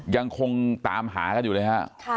ยังคงตามหากันอยู่เลยฮะ